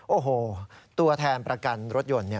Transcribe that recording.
โอ้โหตัวแทนประกันรถยนต์